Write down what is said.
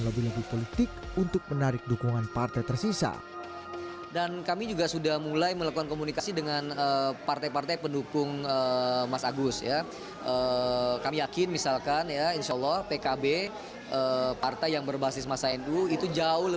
lebih lebih politik untuk menarik dukungan partai tersisa